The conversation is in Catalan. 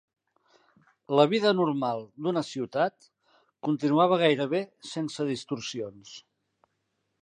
La vida normal d'una ciutat, continuava gairebé sense distorsions